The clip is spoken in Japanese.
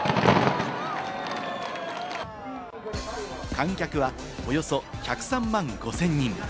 観客はおよそ１０３万５０００人。